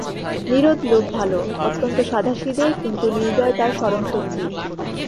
নীরদ লোক ভালো, অত্যন্ত সাদাসিধে, কিন্তু নির্দয় তার স্মরণশক্তি।